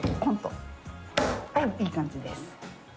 おおいい感じです。